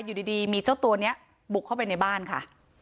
อยู่ดีมีเจ้าตัวนี้บุกเข้าไปในบ้านค่ะ